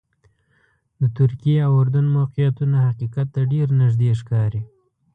د ترکیې او اردن موقعیتونه حقیقت ته ډېر نږدې ښکاري.